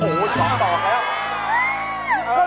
โหต้องตอบแล้ว